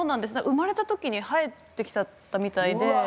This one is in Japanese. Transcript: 生まれた時に生えてきちゃったみたいで。